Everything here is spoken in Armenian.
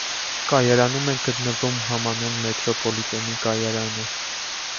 Կայարանում է գտնվում համանուն մետրոպոլիտենի կայարանը։